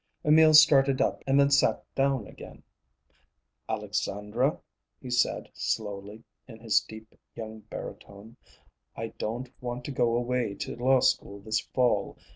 Emil started up and then sat down again. "Alexandra," he said slowly, in his deep young baritone, "I don't want to go away to law school this fall.